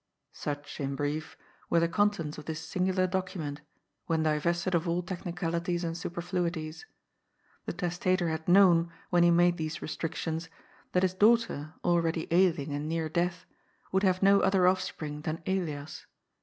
Such, in brief, were the contents of this singular docu ment, when divested of all technicalities and superfluities. The testator had known, when he made these restrictions, that his daughter, already ailing and near death, would have no other offspring than Elias.